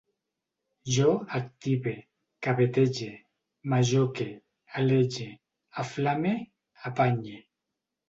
Jo active, cabetege, m'ajoque, alege, aflame, apanye